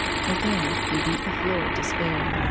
Again he beat the floor despairingly.